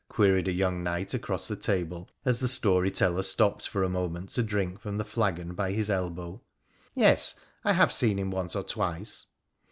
queried a young knight across the table as the story teller stopped for a moment to drink from the flagon by his elbow. ' Yes, I have seen him once or twice.'